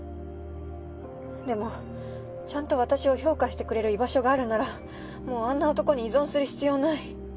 でもちゃんと私を評価してくれる居場所があるならもうあんな男に依存する必要ない。